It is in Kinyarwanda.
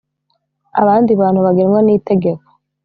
abandi bantu bagenwa n’itegeko